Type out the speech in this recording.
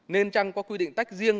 nên trăng có quy định tách riêng